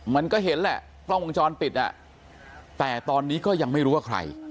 มันก็เห็นแหละกล้องวงจรปิดอ่ะแต่ตอนนี้ก็ยังไม่รู้ว่าใคร